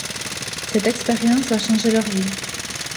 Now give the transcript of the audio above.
Cette expérience va changer leur vie.